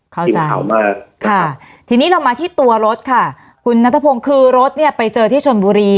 ขาวมากค่ะทีนี้เรามาที่ตัวรถค่ะคุณนัทพงศ์คือรถเนี่ยไปเจอที่ชนบุรี